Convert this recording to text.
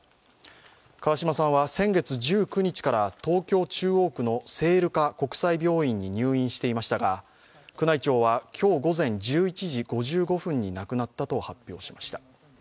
川嶋さんは先月１９日から東京・中央区の聖路加国際病院に入院していましたが宮内庁は今日午前１１時５５分に亡くなったと発表しました。